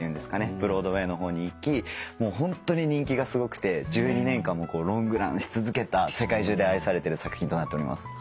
ブロードウェイの方に行きホントに人気がすごくて１２年間もロングランし続けた世界中で愛されてる作品となっております。